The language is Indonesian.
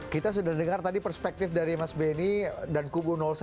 kita sudah dengar tadi perspektif dari mas benny dan kubu satu